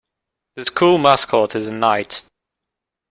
The school mascot is a Knight.